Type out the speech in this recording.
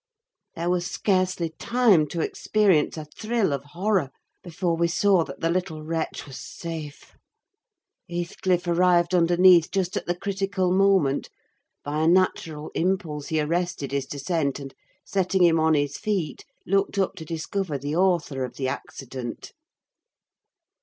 There was scarcely time to experience a thrill of horror before we saw that the little wretch was safe. Heathcliff arrived underneath just at the critical moment; by a natural impulse he arrested his descent, and setting him on his feet, looked up to discover the author of the accident.